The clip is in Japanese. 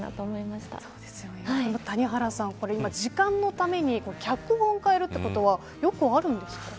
谷原さん、時間のために脚本を変えるということはよくあるんですか。